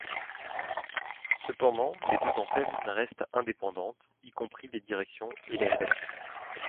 Cependant, les deux antennes restent indépendantes, y compris les directions et les rédactions.